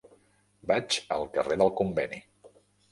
Vaig al carrer del Conveni.